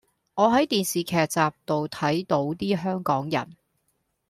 我喺電視劇集度睇倒啲香港人